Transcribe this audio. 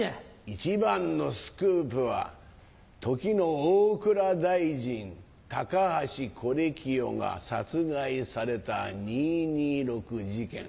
一番のスクープは時の大蔵大臣高橋是清が殺害された二・二六事件。